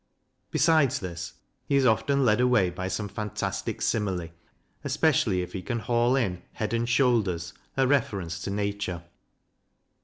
Besides this, he is often led away by some fantastic simile, especially if he can haul in, head and shoulders, a reference to Nature.